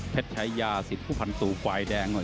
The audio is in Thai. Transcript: เพชรไชยาสิทธิ์ผู้พันธุไกวแดง